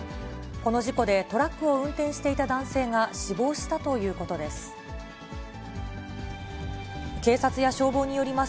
この事故でトラックを運転していた男性が死亡したということです。